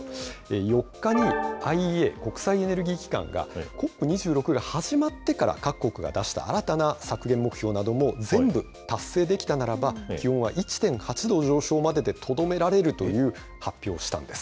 ４日にＩＥＡ・国際エネルギー機関が、ＣＯＰ２６が始まってから、各国が出した新たな削減目標なども、全部達成できたならば、気温は１．８度上昇まででとどめられるという発表をしたんです。